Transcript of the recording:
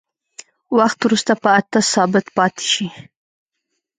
وخت وروسته په اته ثابت پاتې شي.